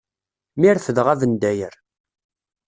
Mi refdeɣ abendayer.